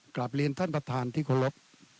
กลับเรียนท่านประธานที่เคารพ